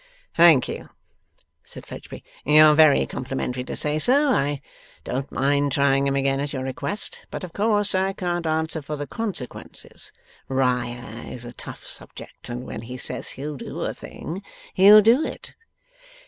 'Thank you,' said Fledgeby, 'you're very complimentary to say so. I don't mind trying him again, at your request. But of course I can't answer for the consequences. Riah is a tough subject, and when he says he'll do a thing, he'll do it.